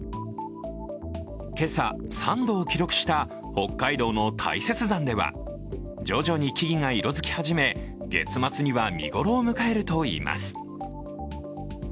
今朝３度を記録した北海道の大雪山では徐々に木々が色づき始め月末には見頃を迎えるといいます。